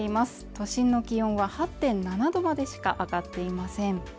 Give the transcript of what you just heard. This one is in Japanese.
都心の気温は８．７度までしか上がっていません